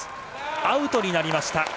アウトになりました。